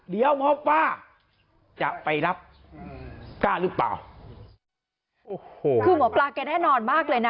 เดี๋ยวหมอปลาจะไปรับกล้าหรือเปล่าโอ้โหคือหมอปลาแกแน่นอนมากเลยนะ